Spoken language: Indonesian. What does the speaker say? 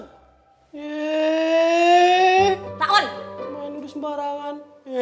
maen tuduh sembarangan